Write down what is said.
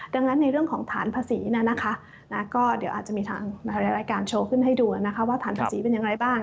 ดังนั้นในเรื่องของฐานภาษีก็เดี๋ยวอาจจะมีทางรายการโชว์ขึ้นให้ดูนะคะว่าฐานภาษีเป็นอย่างไรบ้าง